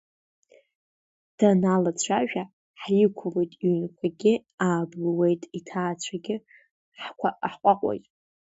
Даналацәажәа, ҳиқәлоит, иҩнқәагьы аабылуеит, иҭаацәагь ҳҟәаҟәоит!